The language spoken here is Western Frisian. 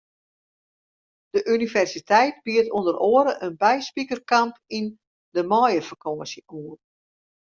De universiteit biedt ûnder oare in byspikerkamp yn de maaiefakânsje oan.